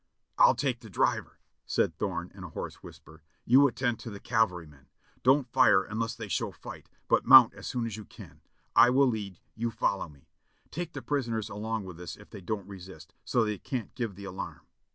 "I'll take the driver," said Thorne in a hoarse whisper. "You attend to the cavalrymen. Don't fire unless they show fight, but ON THE WATCH 623 mount as ioon as you can. I will lead, you follow me. Take the prisoners along with us if they don't resist, so they can't give the alarm."